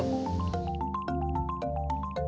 ya lebih ke kesehatan